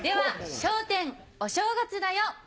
『笑点お正月だよ！』。